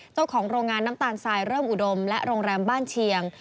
เจ้าของโรงงานน้ำตาลทรายเริ่มอุดมและโรงแรมบ้านเชียง